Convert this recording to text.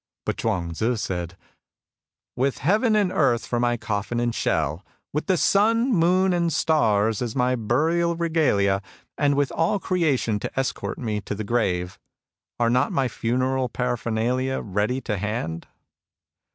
But Chuang Tzu said :" With Heaven and Earth for my coffin and shell ; with the sun, moon, and stars, as my burial regalia ; and with all creation to escort me to the grave, — are not my funeral paraphernalia ready to hand